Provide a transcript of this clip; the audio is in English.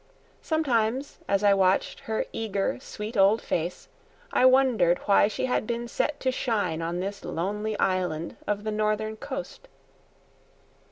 Sometimes, as I watched her eager, sweet old face, I wondered why she had been set to shine on this lonely island of the northern coast.